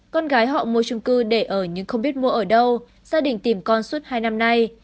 con gái họ mua trung cư để ở nhưng không biết mua ở đâu gia đình tìm con suốt hai năm nay